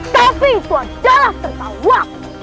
tapi itu adalah tertawa